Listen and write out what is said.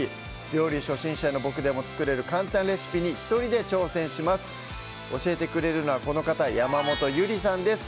料理初心者のボクでも作れる簡単レシピに一人で挑戦します教えてくれるのはこの方山本ゆりさんです